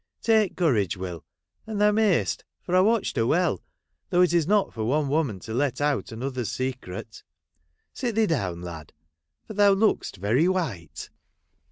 Take courage, Will ; and thou mayst, for I watched her well, though it is not for one woman to let out another's secret. Sit thee down, lad, for thou look'st very white.'